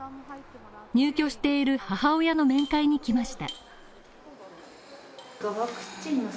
入居している母親の面会に行きました。